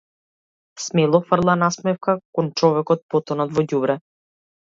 Смело фрла насмевка кон човекот потонат во ѓубре.